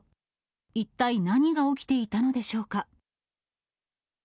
一体何が起きていたのでしょうか。